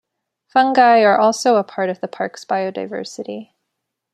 Fungi are also a part of the Park's biodiversity.